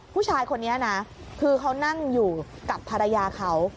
ผู้ชายคนนี้นะคือเขานั่งอยู่กับภรรยาเขา